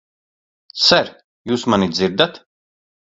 Ser, jūs mani dzirdat?